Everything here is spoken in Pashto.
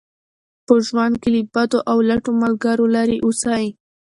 په ژوند کې له بدو او لټو ملګرو لرې اوسئ.